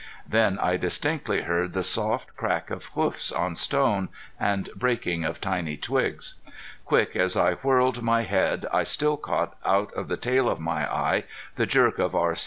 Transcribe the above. Then I distinctly heard the soft crack of hoofs on stone and breaking of tiny twigs. Quick as I whirled my head I still caught out of the tail of my eye the jerk of R.